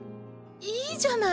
いいじゃない！